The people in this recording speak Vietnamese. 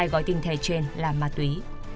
hai gói tinh thể trên là ma túy